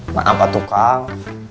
maaf pak tukang